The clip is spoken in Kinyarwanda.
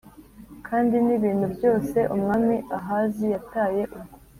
Kandi n ibintu byose Umwami Ahazi yataye ubwo